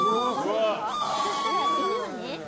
そしたら、犬はね